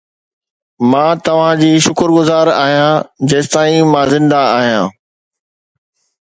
مان توهان جي شڪرگذار آهيان جيستائين مان زنده آهيان